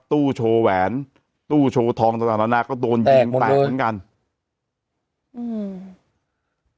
ตู้โชว์แหวนตู้โชว์ทองต่างต่างนานาก็โดนยิงตายเหมือนกันอืม